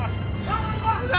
lawan gue dua